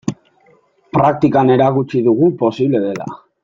Praktikan erakutsi dugu posible dela.